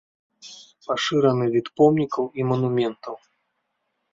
Пашыраны від помнікаў і манументаў.